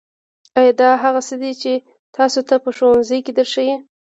ایا دا هغه څه دي چې تاسو ته په ښوونځي کې درښیي